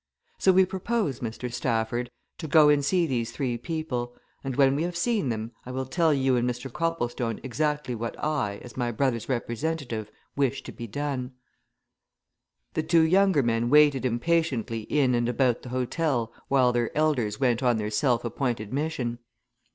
So we propose, Mr. Stafford, to go and see these three people and when we have seen them, I will tell you and Mr. Copplestone exactly what I, as my brother's representative, wish to be done." The two younger men waited impatiently in and about the hotel while their elders went on their self appointed mission.